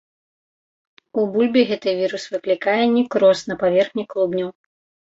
У бульбе гэты вірус выклікае некроз на паверхні клубняў.